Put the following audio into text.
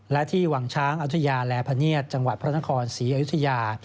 และที่วังช้างอายุทยาและพเนียดจังหวัดพระนครศรีอยุธยา